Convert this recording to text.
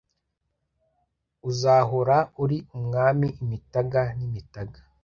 uzahora uri umwami imitaga n'imitaga